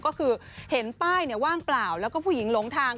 ก็คือเห็นป้ายว่างเปล่าแล้วก็ผู้หญิงหลงทาง